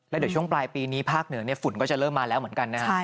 แล้วเดี๋ยวช่วงปลายปีนี้ภาคเหนือฝุ่นก็จะเริ่มมาแล้วเหมือนกันนะครับ